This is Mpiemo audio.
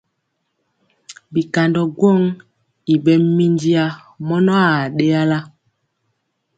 Bikandɔ gwɔŋ i ɓɛ minjiya mɔnɔ a ɗeyala.